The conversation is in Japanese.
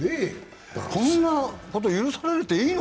こんなこと許されていいの？